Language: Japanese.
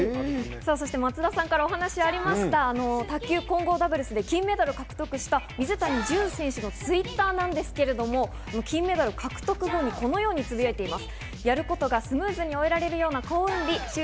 松田さんからお話がありました、卓球・混合ダブルスで金メダルを獲得した水谷隼選手のＴｗｉｔｔｅｒですが、金メダル獲得後にこのようにつぶやいています。